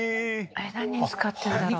えっ何に使ってるんだろう？